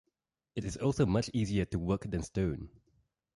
It is also much easier to work than stone.